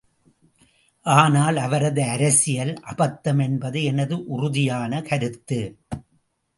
ஆனால் அவரது அரசியல், அபத்தம் என்பது எனது உறுதியான கருத்து.